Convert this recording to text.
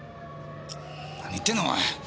何言ってんだお前。